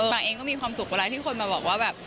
บางคนก็มีความสุขเวลาที่คนมาบอกว่า